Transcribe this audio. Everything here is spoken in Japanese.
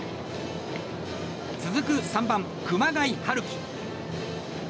続く３番、熊谷陽輝。